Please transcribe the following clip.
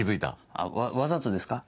あっわわざとですか？